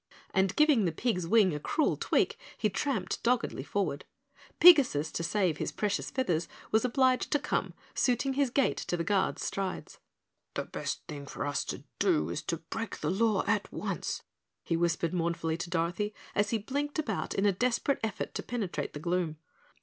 and giving the pig's wing a cruel tweak, he tramped doggedly forward. Pigasus to save his precious feathers was obliged to come, suiting his gait to the guard's strides. "The best thing for us to do is to break the law at once," he whispered mournfully to Dorothy as he blinked about in a desperate effort to penetrate the gloom.